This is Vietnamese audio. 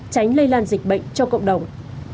tránh lây lan dịch bệnh cho cộng đồng